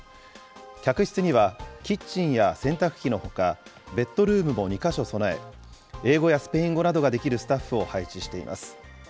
客室にはキッチンや洗濯機のほか、ベッドルームも２か所備え、英語やスペイン語などができるスタッフを配置しています。